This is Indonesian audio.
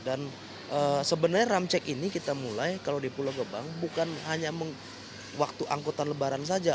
dan sebenarnya rem cek ini kita mulai kalau di pulau gebang bukan hanya waktu angkutan lebaran saja